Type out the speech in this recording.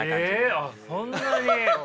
あっそんなに。